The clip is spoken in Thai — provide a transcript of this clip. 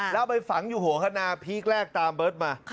แล้วไปฝังอยู่หัวคณาพีคแรกตามเบิร์ตมา